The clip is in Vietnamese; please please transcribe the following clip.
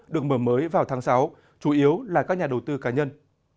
được mở mới vào tháng sáu chủ yếu là các nhà đầu tư cá nhân